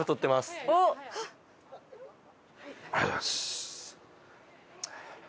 ありがとうございます。